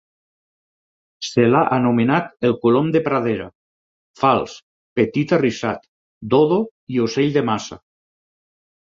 Se l'ha anomenat el colom de pradera, fals, petit arrissat, dodo i ocell de massa.